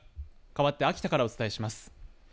かわって秋田からお伝えします。